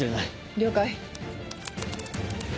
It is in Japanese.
了解。